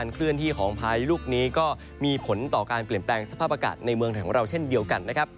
ของกลุ่มเมฆ